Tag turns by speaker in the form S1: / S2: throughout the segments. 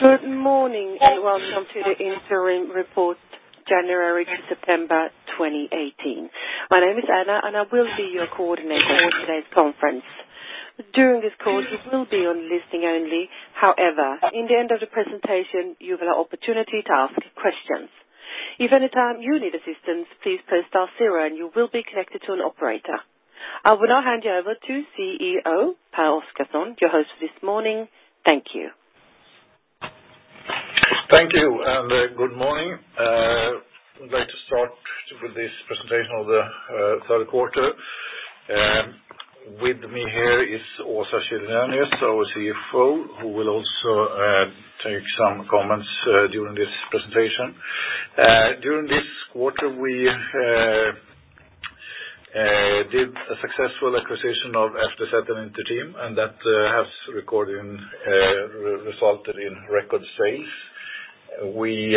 S1: Good morning, and welcome to the interim report, January to September 2018. My name is Anna, I will be your coordinator for today's conference. During this call, you will be on listening only. However, in the end of the presentation, you have an opportunity to ask questions. If any time you need assistance, please press star zero, and you will be connected to an operator. I will now hand you over to CEO Pehr Oscarson, your host this morning. Thank you.
S2: Thank you, good morning. I'd like to start with this presentation of the third quarter. With me here is Åsa Källenius, our CFO, who will also take some comments during this presentation. During this quarter, we did a successful acquisition of FTZ and Inter-Team, that has resulted in record sales. We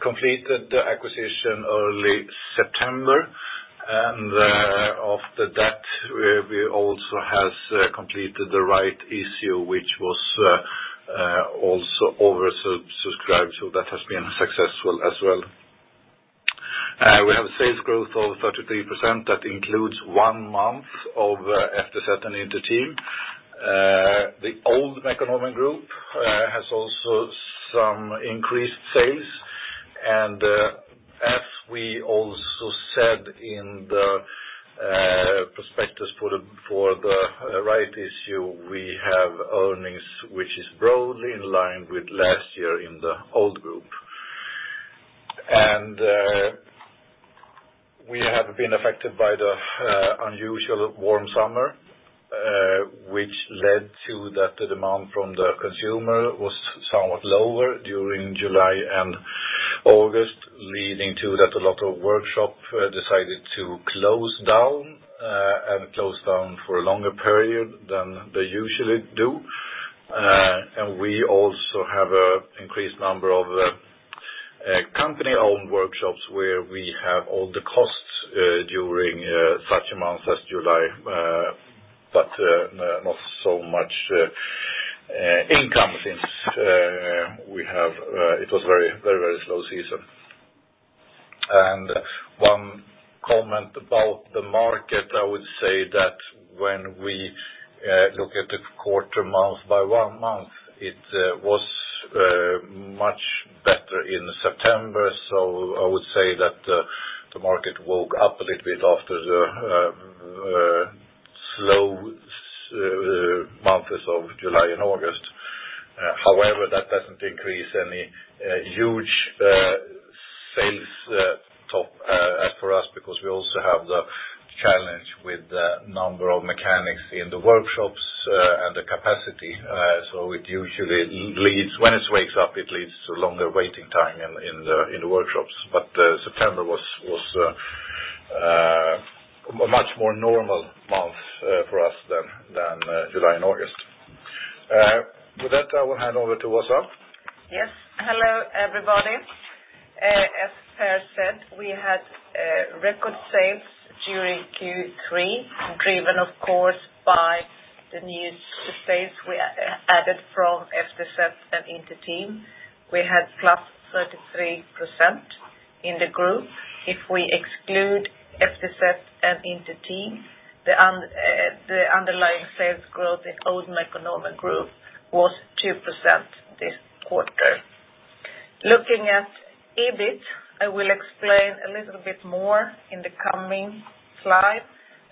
S2: completed the acquisition early September, after that, we also have completed the rights issue, which was also oversubscribed. That has been successful as well. We have a sales growth of 33% that includes 1 month of FTZ and Inter-Team. The old Mekonomen Group has also some increased sales, as we also said in the prospectus for the rights issue, we have earnings, which is broadly in line with last year in the old group. We have been affected by the unusual warm summer, which led to that the demand from the consumer was somewhat lower during July and August, leading to that a lot of workshops decided to close down, and close down for a longer period than they usually do. We also have an increased number of company-owned workshops where we have all the costs during such a month as July, but not so much income since it was very slow season. 1 comment about the market, I would say that when we look at the quarter month by 1 month, it was much better in September, I would say that the market woke up a little bit after the slow months of July and August. However, that doesn't increase any huge sales top as for us, because we also have the challenge with the number of mechanics in the workshops and the capacity. It usually, when it wakes up, it leads to longer waiting time in the workshops. September was a much more normal month for us than July and August. With that, I will hand over to Åsa.
S3: Yes. Hello, everybody. As Pehr said, we had record sales during Q3, driven, of course, by the new sales we added from FTZ and Inter-Team. We had +33% in the group. If we exclude FTZ and Inter-Team, the underlying sales growth in old Mekonomen Group was 2% this quarter. Looking at EBIT, I will explain a little bit more in the coming slide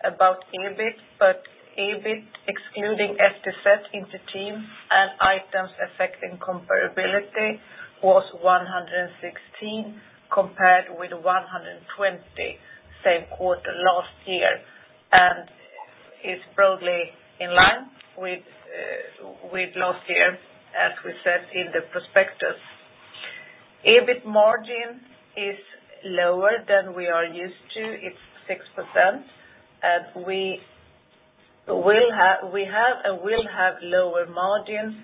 S3: about EBIT, but EBIT, excluding FTZ, Inter-Team, and items affecting comparability, was 116 million compared with 120 million same quarter last year, and it is broadly in line with last year, as we said in the prospectus. EBIT margin is lower than we are used to. It is 6%, and we have and will have lower margins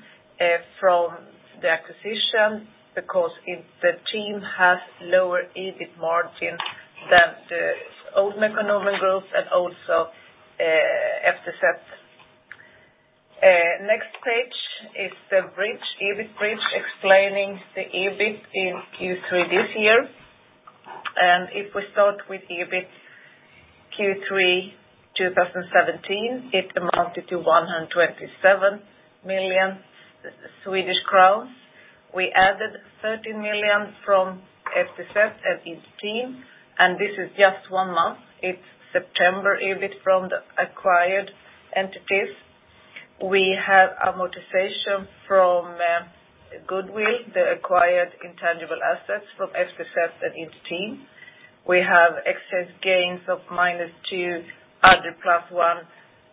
S3: from the acquisition because the team has lower EBIT margin than the old Mekonomen Group and also FTZ. Next page is the EBIT bridge explaining the EBIT in Q3 this year. If we start with EBIT Q3 2017, it amounted to 127 million Swedish crowns. We added 13 million from FTZ and Inter-Team, and this is just one month. It is September EBIT from the acquired entities. We have amortization from goodwill, the acquired intangible assets from FTZ and Inter-Team. We have excess gains of -2 other +1,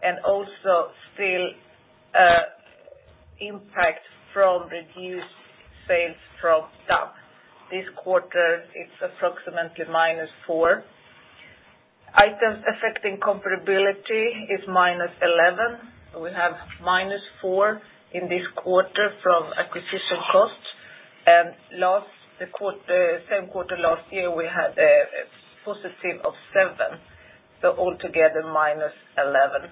S3: and also still impact from reduced sales from DAF. This quarter, it is approximately -4. Items affecting comparability is -11. We have -4 in this quarter from acquisition costs. Same quarter last year, we had a positive of 7. Altogether, -11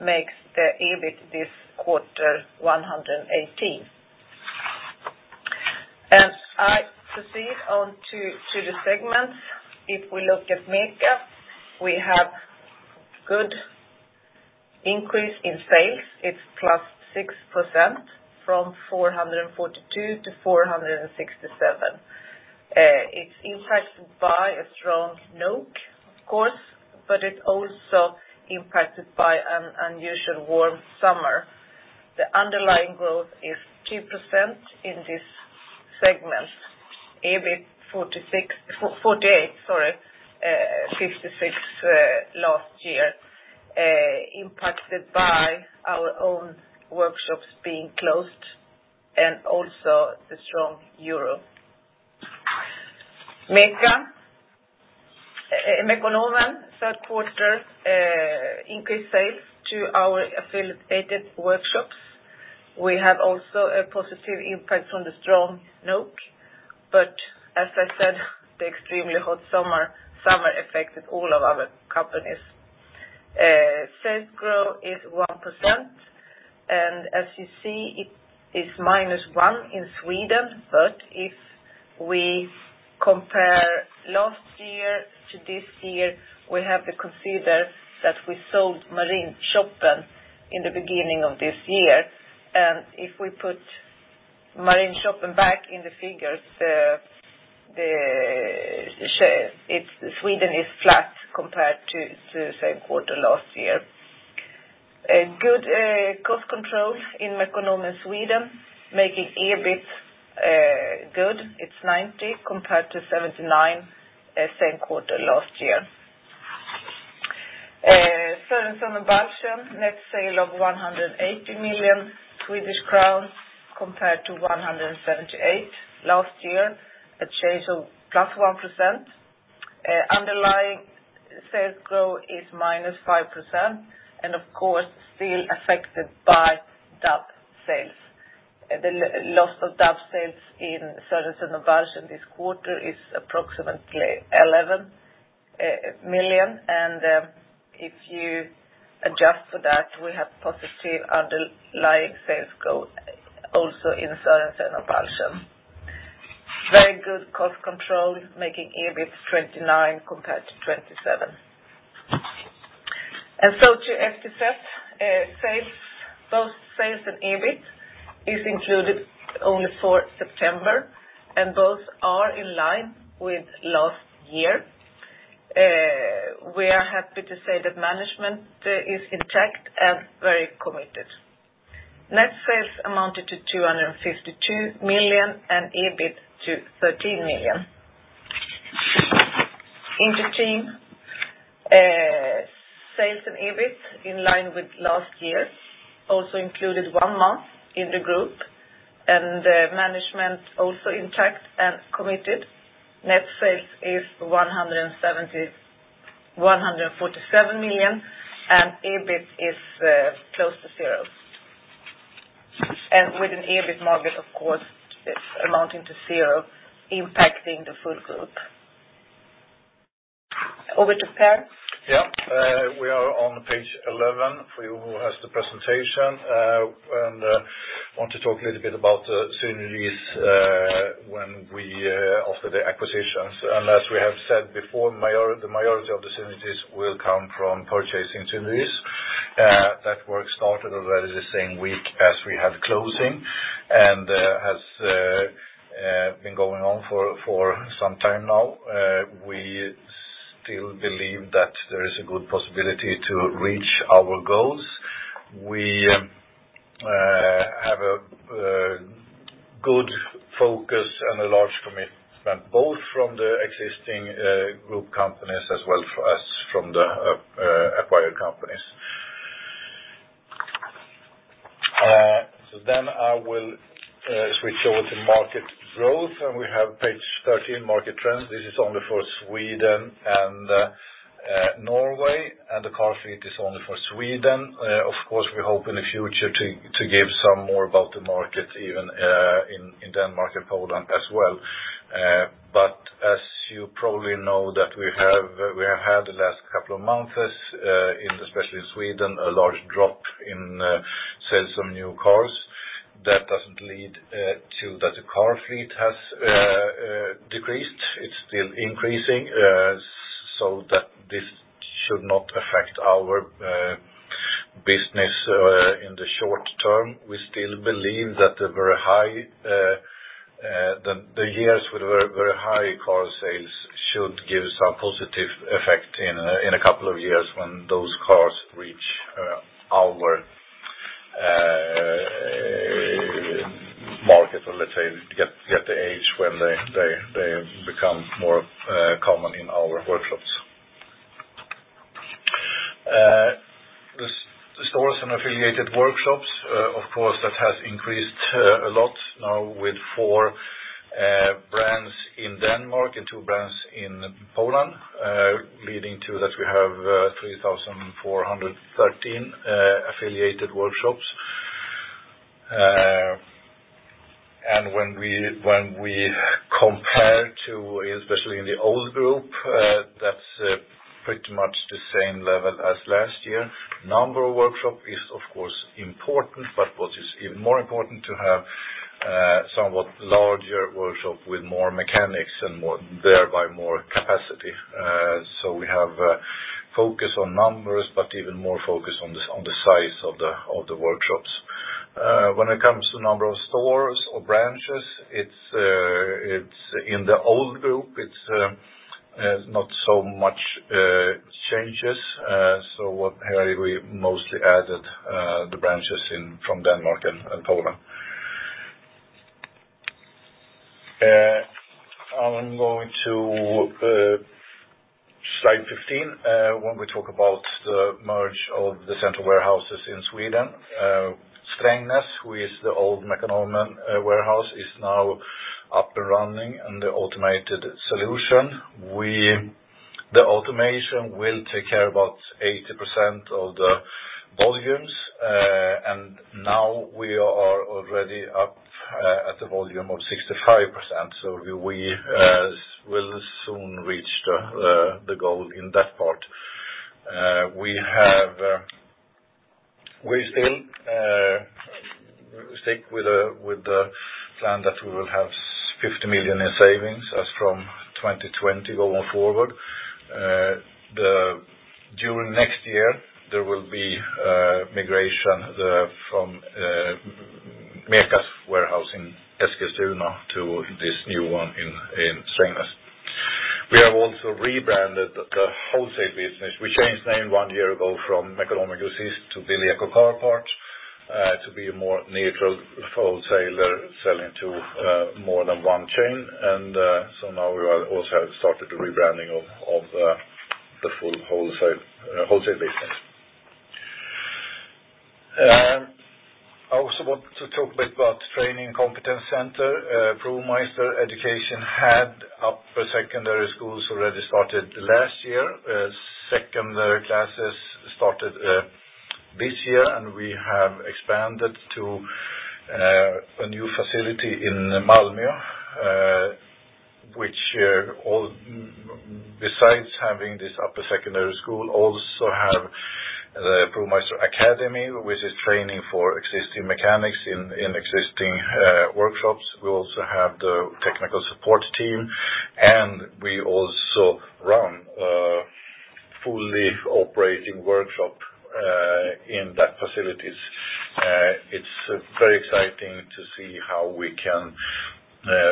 S3: makes the EBIT this quarter 118 million. I proceed on to the segments. If we look at MECA, we have good increase in sales. It is +6% from 442 million to 467 million. It is impacted by a strong NOK, of course, but it is also impacted by an unusual warm summer. The underlying growth is 2% in this segment. EBIT 48 million, sorry 56 million last year, impacted by our own workshops being closed and also the strong EUR. Mekonomen third quarter increased sales to our affiliated workshops. We have also a positive impact from the strong NOK, but as I said, the extremely hot summer affected all of our companies. Sales growth is 1% and as you see it is -1% in Sweden, but if we compare last year to this year, we have to consider that we sold Marinshopen in the beginning of this year. If we put Marinshopen back in the figures, Sweden is flat compared to same quarter last year. Good cost control in Mekonomen Sweden, making EBIT good. It is 90 million compared to 79 million, same quarter last year. Sørensen og Balchen, net sales of 180 million Swedish crowns compared to 178 million last year, a change of +1%. Underlying sales growth is -5% and of course, still affected by DAF sales. The loss of DAF sales in Sørensen og Balchen this quarter is approximately 11 million. If you adjust for that, we have positive underlying sales growth also in Sørensen og Balchen. Very good cost control making EBIT 29 million compared to 27 million. To FTZ, both sales and EBIT is included only for September and both are in line with last year. We are happy to say that management is intact and very committed. Net sales amounted to 252 million and EBIT to 13 million. Inter-Team, sales and EBIT in line with last year, also included one month in the group, and management also intact and committed. Net sales is 147 million. EBIT is close to zero. With an EBIT margin, of course, it's amounting to zero impacting the full group. Over to Pehr.
S2: We are on page 11 for you who has the presentation, I want to talk a little bit about synergies when we of our acquisitions. As we have said before, the majority of the synergies will come from purchasing synergies. That work started already the same week as we had closing, has been going on for some time now. We still believe that there is a good possibility to reach our goals. We have a good focus and a large commitment both from the existing group companies as well as from the acquired companies. I will switch over to market growth, we have page 13, market trends. This is only for Sweden and Norway, the car fleet is only for Sweden. Of course, we hope in the future to give some more about the market even in Denmark and Poland as well. As you probably know that we have had the last couple of months, in especially Sweden, a large drop in sales of new cars. That doesn't lead to that the car fleet has decreased. It's still increasing, this should not affect our business in the short term. We still believe that the years with very high car sales should give some positive effect in a couple of years when those cars reach our market, or let's say get to the age when they become more common in our workshops. The stores and affiliated workshops, of course, that has increased a lot now with four in Denmark and two brands in Poland, leading to that we have 3,413 affiliated workshops. When we compare to, especially in the old group, that's pretty much the same level as last year. Number of workshops is of course important, what is even more important to have somewhat larger workshop with more mechanics and thereby more capacity. We have a focus on numbers, even more focus on the size of the workshops. When it comes to number of stores or branches, in the old group, it's not so many changes. Here we mostly added the branches from Denmark and Poland. I'm going to slide 15. When we talk about the merge of the central warehouses in Sweden. Strängnäs, who is the old Mekonomen warehouse, is now up and running in the automated solution. The automation will take care about 80% of the volumes, now we are already up at the volume of 65%. We will soon reach the goal in that part. We still stick with the plan that we will have 50 million in savings as from 2020 going forward. During next year, there will be migration from MECA's warehouse in Eskilstuna to this new one in Strängnäs. We have also rebranded the wholesale business. We changed name one year ago from Mekonomen Grossist to Bileko Car Parts, to be a more neutral wholesaler selling to more than one chain. So now we have also started the rebranding of the full wholesale business. I also want to talk a bit about training competence center. ProMeister Education had upper secondary schools already started last year. Secondary classes started this year, and we have expanded to a new facility in Malmö, which besides having this upper secondary school, also have the ProMeister Academy, which is training for existing mechanics in existing workshops. We also have the technical support team, and we also run a fully operating workshop in that facilities. It's very exciting to see how we can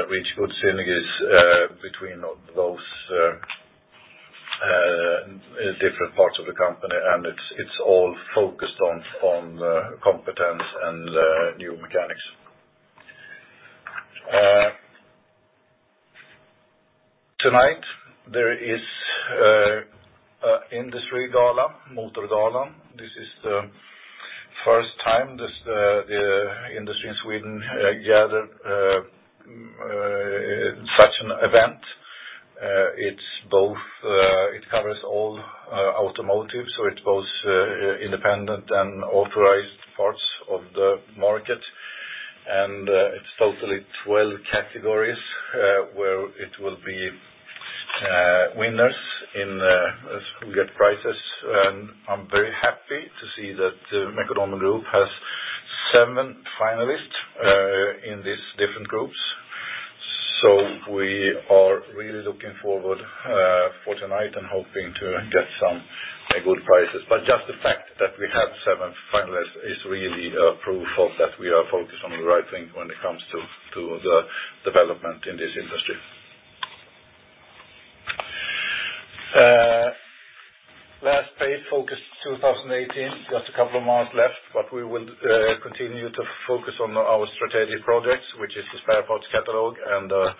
S2: reach good synergies between those different parts of the company, and it's all focused on competence and new mechanics. Tonight, there is an industry gala, Motorgalan. This is the first time this industry in Sweden gathered such an event. It covers all automotive, so it's both independent and authorized parts of the market, and it's totally 12 categories, where it will be winners who get prizes. And I'm very happy to see that Mekonomen Group has seven finalists in these different groups. So we are really looking forward for tonight and hoping to get some good prizes. But just the fact that we have seven finalists is really a proof of that we are focused on the right thing when it comes to the development in this industry. Last page, focus 2018. Just a couple of months left, but we will continue to focus on our strategic projects, which is the spare parts catalog and the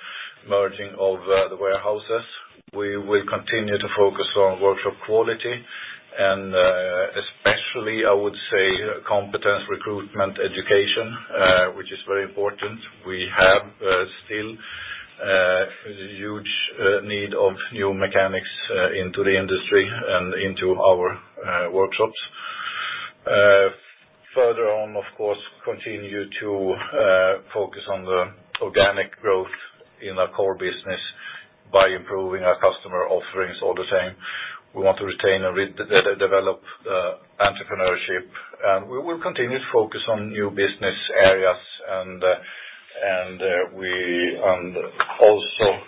S2: merging of the warehouses. We will continue to focus on workshop quality, and especially, I would say, competence recruitment education, which is very important. We have still a huge need of new mechanics into the industry and into our workshops. Further on, of course, continue to focus on the organic growth in our core business by improving our customer offerings all the time. We want to retain and redevelop entrepreneurship. And we will continue to focus on new business areas, and also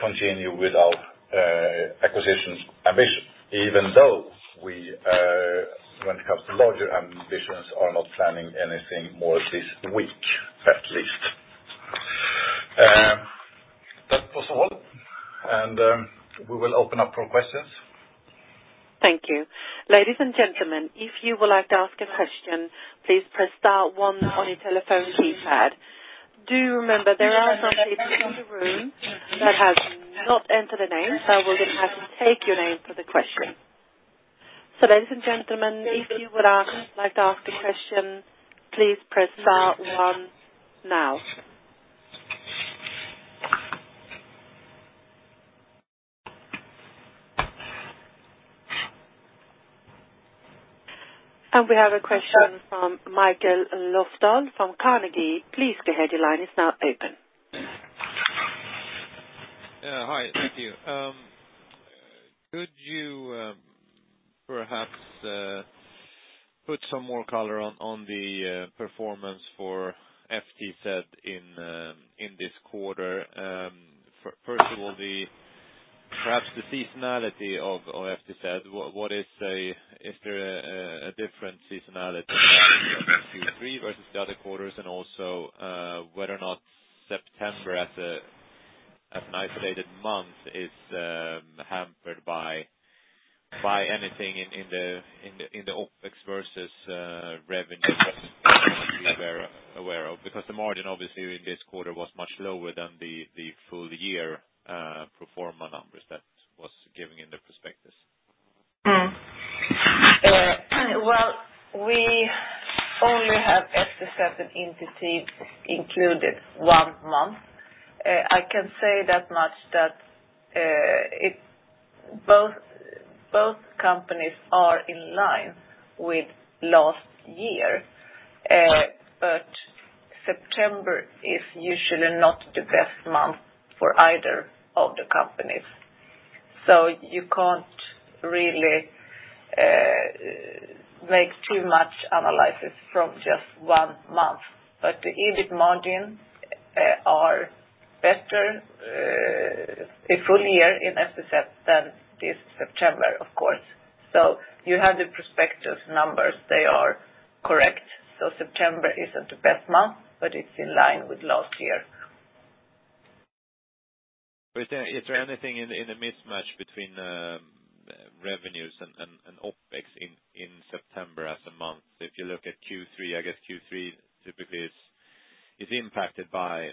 S2: continue with our acquisitions ambition, even though when it comes to larger ambitions, are not planning anything more this week, at least. That was all, and we will open up for questions.
S1: Thank you. Ladies and gentlemen, if you would like to ask a question, please press star one on your telephone keypad. Do remember there are some people in the room that have not entered their name, so we're going to have to take your name for the question. Ladies and gentlemen, if you would like to ask a question, please press star one now. We have a question from Mikael Löfdahl from Carnegie. Please go ahead. Your line is now open.
S4: Hi. Thank you. Could you perhaps put some more color on the performance for FTZ in this quarter? First of all, perhaps the seasonality of FTZ. Is there a different seasonality in Q3 versus the other quarters? Also, whether or not September as an isolated month is hampered by anything in the OpEx versus revenue that you were aware of? The margin obviously in this quarter was much lower than the full year pro forma numbers that was given in the prospectus.
S3: We only have FTZ and Inter-Team included one month. I can say that much, that both companies are in line with last year. September is usually not the best month for either of the companies. You can't really make too much analysis from just one month. The EBIT margins are better a full year in FTZ than this September, of course. You have the prospectus numbers. They are correct. September isn't the best month, but it's in line with last year.
S4: Is there anything in the mismatch between revenues and OpEx in September as a month? If you look at Q3, I guess Q3 typically is impacted by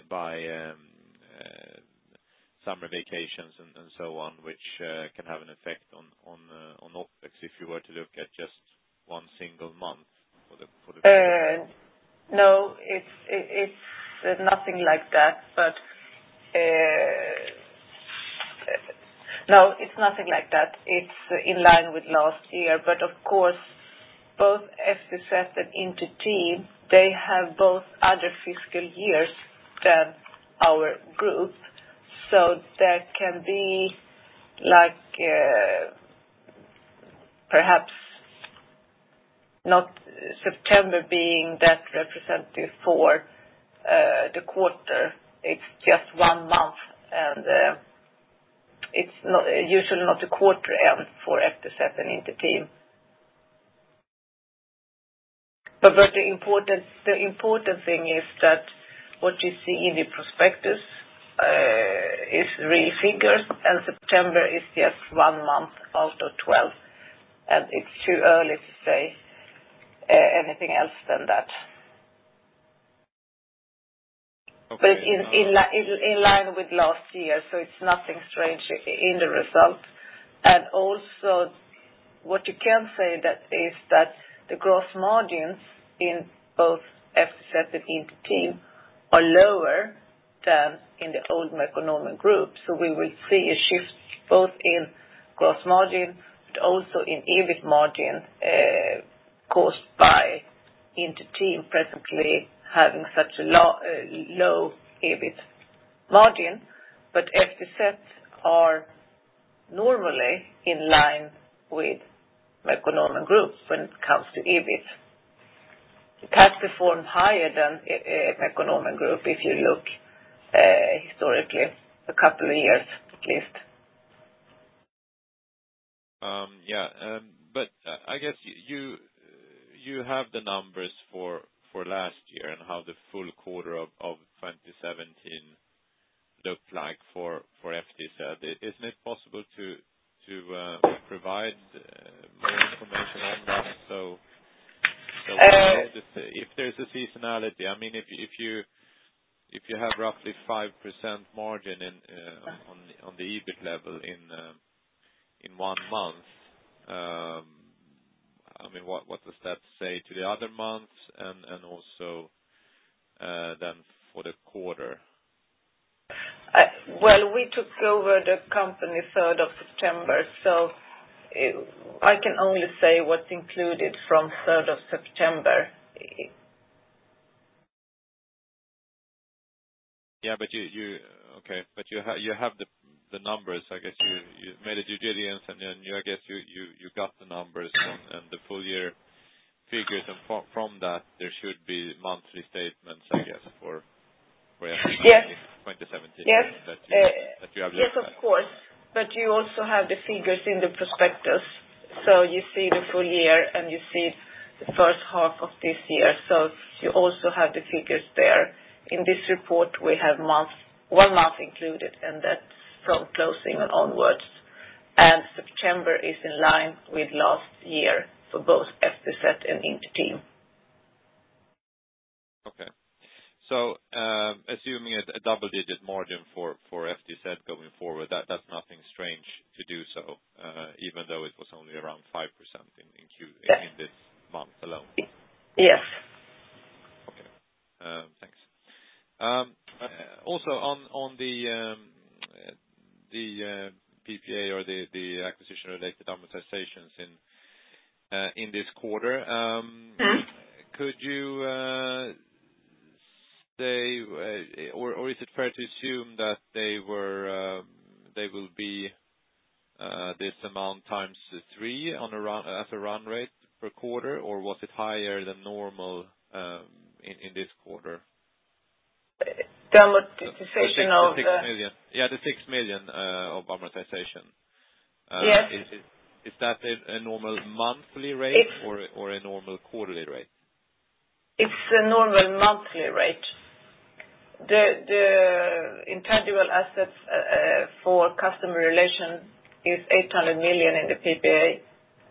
S4: summer vacations and so on, which can have an effect on OpEx if you were to look at just one single month for.
S3: It's nothing like that. It's in line with last year, of course both FTZ and Inter-Team, they have both other fiscal years than our group. There can be perhaps not September being that representative for the quarter. It's just one month, and it's usually not a quarter end for FTZ and Inter-Team. The important thing is that what you see in the prospectus is real figures, September is just one month out of 12, and it's too early to say anything else than that.
S4: Okay.
S3: It's in line with last year, it's nothing strange in the result. Also what you can say is that the gross margins in both FTZ and Inter-Team are lower than in the old Mekonomen Group. We will see a shift both in gross margin but also in EBIT margin, caused by Inter-Team presently having such a low EBIT margin. FTZ are normally in line with Mekonomen Group when it comes to EBIT. It has performed higher than Mekonomen Group if you look historically, a couple of years at least.
S4: Yeah. I guess you have the numbers for last year and how the full quarter of 2017 looked like for FTZ. Isn't it possible to provide more information on that? If there's a seasonality, if you have roughly 5% margin on the EBIT level in one month, what does that say to the other months? Also then for the quarter?
S3: Well, we took over the company 3rd of September, so I can only say what's included from 3rd of September.
S4: Okay. You have the numbers. I guess you made a due diligence, and then I guess you got the numbers and the full year figures, and from that there should be monthly statements, I guess, for-
S3: Yes
S4: 2017.
S3: Yes.
S4: That you have looked at.
S3: Yes, of course. You also have the figures in the prospectus. You see the full year and you see the first half of this year. You also have the figures there. In this report, we have one month included, and that's from closing and onwards. September is in line with last year for both FTZ and Inter-Team.
S4: Assuming a double-digit margin for FTZ going forward, that's nothing strange to do so, even though it was only around 5% in this month alone.
S3: Yes.
S4: Okay, thanks. On the PPA or the acquisition-related amortizations in this quarter. Could you say, or is it fair to assume that they will be this amount times three as a run rate per quarter? Or was it higher than normal in this quarter?
S3: The amortization of the.
S4: Yeah, the 6 million of amortization.
S3: Yes.
S4: Is that a normal monthly rate or a normal quarterly rate?
S3: It's a normal monthly rate. The intangible assets for customer relations is 800 million in the PPA,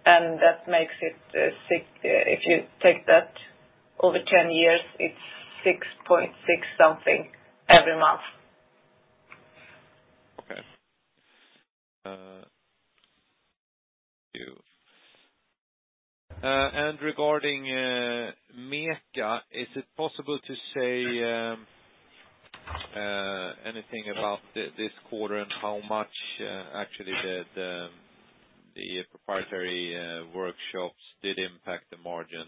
S3: and that makes it 6. If you take that over 10 years, it's 6.6 something every month.
S4: Okay. Thank you. Regarding MECA, is it possible to say anything about this quarter and how much actually the proprietary workshops did impact the margin?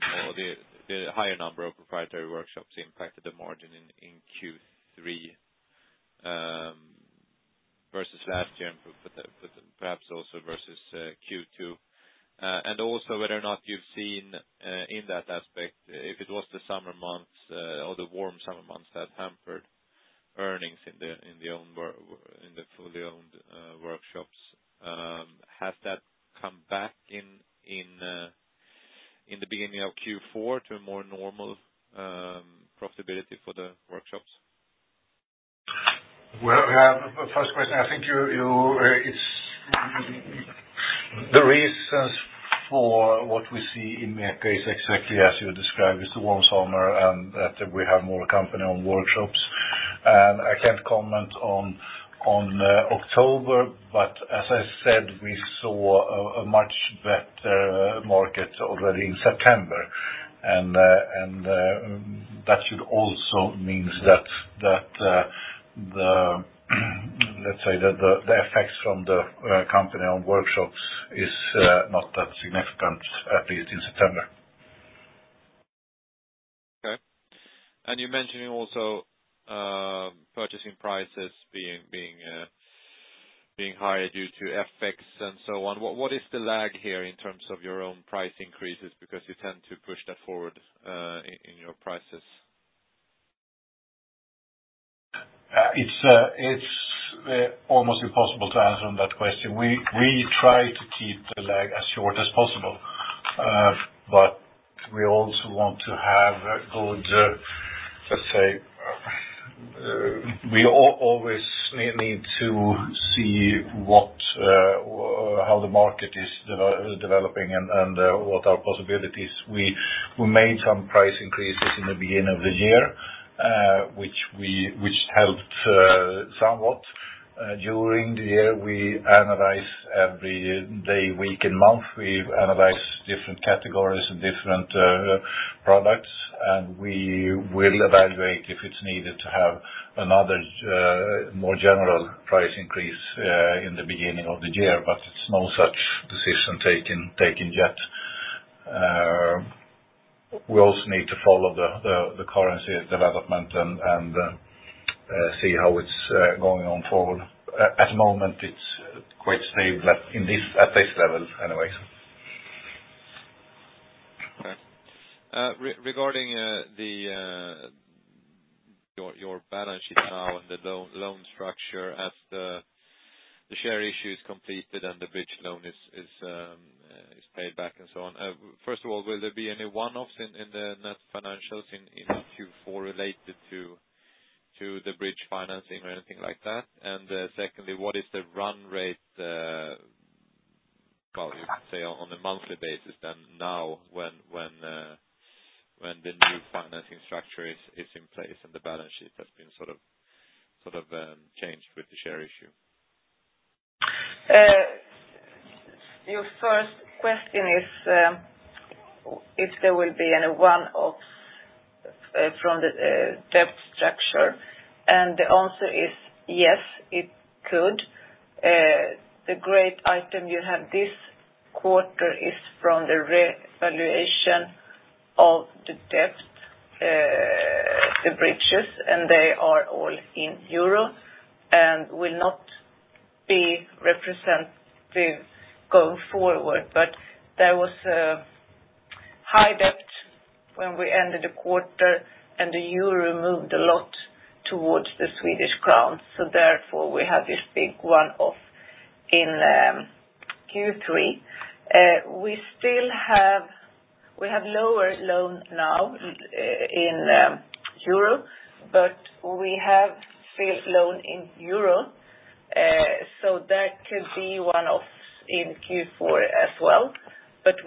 S4: Perhaps also versus Q2. Also whether or not you've seen in that aspect, if it was the summer months or the warm summer months that hampered earnings in the fully-owned workshops. Has that come back in the beginning of Q4 to a more normal profitability for the workshops?
S2: Well, first question, I think the reasons for what we see in MECA is exactly as you described, it's the warm summer and that we have more competition on workshops. I can't comment on October, but as I said, we saw a much better market already in September. That should also mean that the effects from the competition on workshops is not that significant, at least in September.
S4: Okay. You're mentioning also purchasing prices being higher due to FX and so on. What is the lag here in terms of your own price increases because you tend to push that forward in your prices?
S2: It's almost impossible to answer on that question. We try to keep the lag as short as possible. We also want to have good, let's say, we always need to see how the market is developing and what are possibilities. We made some price increases in the beginning of the year, which helped somewhat. During the year, we analyze every day, week, and month. We've analyzed different categories and different products, and we will evaluate if it's needed to have another more general price increase in the beginning of the year. It's no such decision taken yet. We also need to follow the currency development and see how it's going on forward. At the moment, it's quite stable at this level, anyways.
S4: Okay. Regarding your balance sheet now and the loan structure as the share issue is completed and the bridge loan is paid back and so on. First of all, will there be any one-offs in the net financials in Q4 related to the bridge financing or anything like that? Secondly, what is the run rate, call you could say, on a monthly basis then now when the new financing structure is in place and the balance sheet has been sort of changed with the share issue?
S3: Your first question is if there will be any one-offs from the debt structure, the answer is yes, it could. The great item you have this quarter is from the revaluation of the debt, the bridges, and they are all in EUR and will not be representative going forward. There was a high debt when we ended the quarter, and the EUR moved a lot towards the SEK. Therefore, we have this big one-off in Q3. We have lower loans now in EUR, but we have still loan in EUR. That could be one-off in Q4 as well,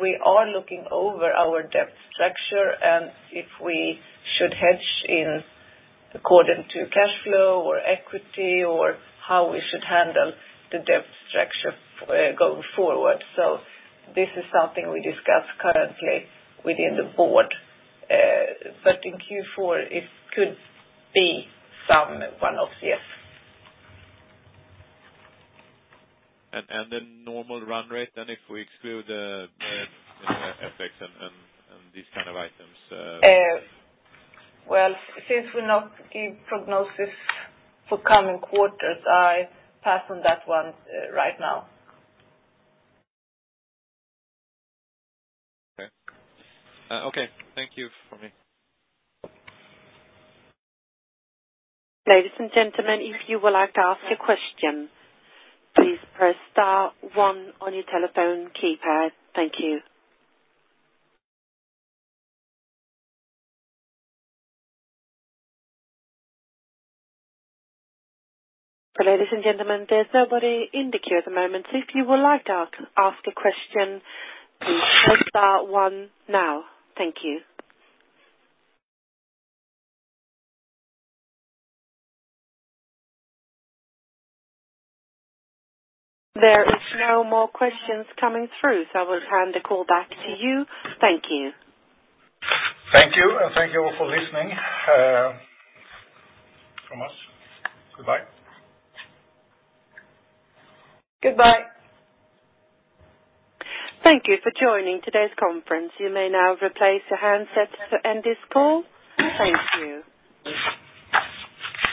S3: we are looking over our debt structure and if we should hedge in according to cash flow or equity or how we should handle the debt structure going forward. This is something we discuss currently within the board. In Q4 it could be some one-offs. Yes.
S4: The normal run rate then if we exclude the effects and these kind of items?
S3: Well, since we not give prognosis for coming quarters, I pass on that one right now.
S4: Okay. Thank you. From me.
S1: Ladies and gentlemen, if you would like to ask a question, please press star one on your telephone keypad. Thank you. Ladies and gentlemen, there's nobody in the queue at the moment. If you would like to ask a question, please press star one now. Thank you. I will hand the call back to you. Thank you.
S2: Thank you. Thank you all for listening from us. Goodbye.
S3: Goodbye.
S1: Thank you for joining today's conference. You may now replace the handset to end this call. Thank you.